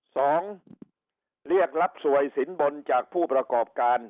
สองเรียกรับสวยสินบนจากผู้ประกอบการ